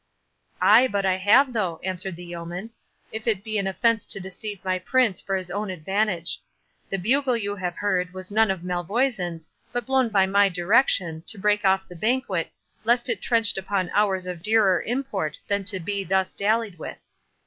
"Ay, but I have though," answered the yeoman, "if it be an offence to deceive my prince for his own advantage. The bugle you have heard was none of Malvoisin's, but blown by my direction, to break off the banquet, lest it trenched upon hours of dearer import than to be thus dallied with."